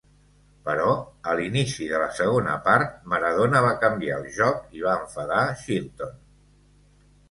Però a l'inici de la segona part, Maradona va canviar el joc i va enfadar Shilton.